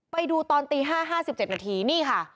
ไปดูตอนตี๕๕๗นาทีนี่ค่ะ